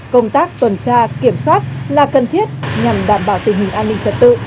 công tác tuần tra kiểm soát là cần thiết nhằm đảm bảo tình hình an ninh trật tự